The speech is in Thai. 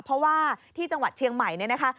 เพราะว่าที่จังหวัดเชียงใหม่เนี่ยนะคะ